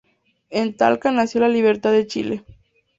En Talca nació la libertad de Chile.